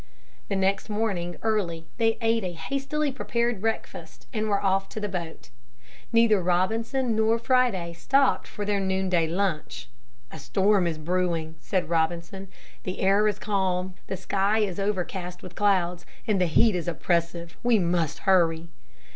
The next morning early they ate a hastily prepared breakfast and were off to the boat. Neither Robinson nor Friday stopped for their noonday lunch. "A storm is brewing," said Robinson, "the air is calm, the sky is overcast with clouds, the heat is oppressive. We must hurry."